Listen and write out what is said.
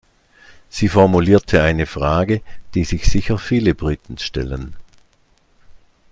Sie formulierte eine Frage, die sich sicher viele Briten stellen.